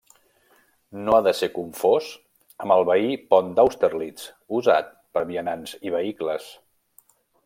No ha de ser confós amb el veí Pont d'Austerlitz usat per vianants i vehicles.